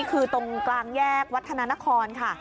คือตรงกลางแยกวัฒนานครค่ะ